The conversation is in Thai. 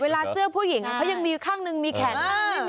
เวลาเสื้อผู้หญิงเค้ายังมีข้างนึงมีแขนเลย